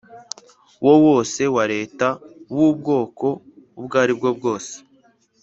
wo wose wa Leta w ubwoko ubwo ari bwo bwose